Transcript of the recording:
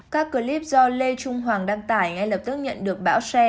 các clip do lê trung hoàng đăng tải ngay lập tức nhận được bão xe